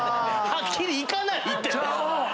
はっきり「行かない」って！